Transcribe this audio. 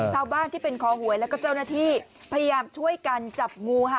ชาวบ้านที่เป็นคอหวยแล้วก็เจ้าหน้าที่พยายามช่วยกันจับงูค่ะ